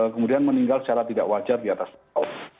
kemudian meninggal secara tidak wajar di atas laut